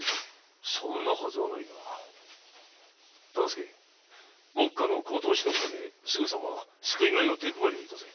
そんなはずはないが大岡目下の高騰をしのぐためすぐさま救い米の手配りを致せ。